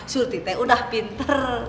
surti teh udah pinter